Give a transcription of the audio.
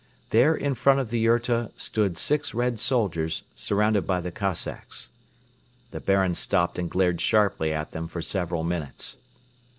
There in front of the yurta stood six Red soldiers surrounded by the Cossacks. The Baron stopped and glared sharply at them for several minutes.